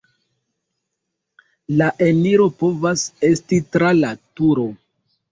La eniro povas esti tra la turo.